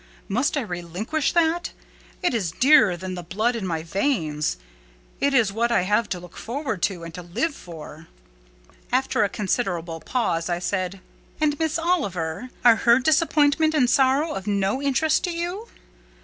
Must I relinquish that? It is dearer than the blood in my veins. It is what I have to look forward to, and to live for." After a considerable pause, I said—"And Miss Oliver? Are her disappointment and sorrow of no interest to you?"